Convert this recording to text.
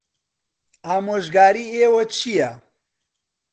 ئامۆژگاریی ئێوە چییە؟